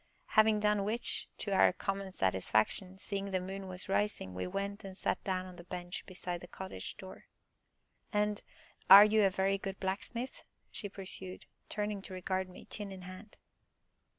Having done which, to our common satisfaction, seeing the moon was rising, we went and sat down on the bench beside the cottage door. "And are you a very good blacksmith?" she pursued, turning to regard me, chin in hand.